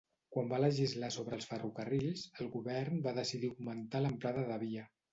Quan va legislar sobre els ferrocarrils, el govern va decidir augmentar l'amplada de via.